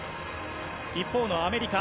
一方のアメリカ。